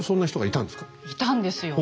いたんですよ。